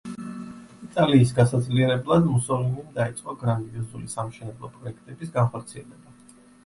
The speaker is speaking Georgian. იტალიის გასაძლიერებლად მუსოლინიმ დაიწყო გრანდიოზული სამშენებლო პროექტების განხორციელება.